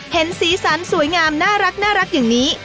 สีสันสวยงามน่ารักอย่างนี้